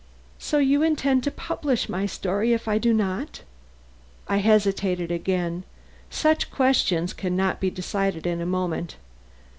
"So you intend to publish my story, if I do not?" I hesitated again. Such questions can not be decided in a moment.